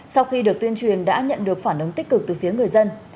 sau khi được tuyên truyền đã nhận được phản ứng tích cực từ phía người dân